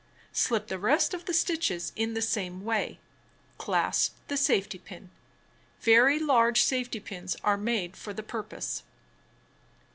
Slip the rest of the stitches in the same way. Clasp the safety pin. Very large safety pins are made for the purpose.